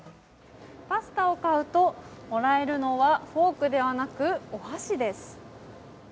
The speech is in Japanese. パスタを買うともらえるのはフォークではなく、お箸です。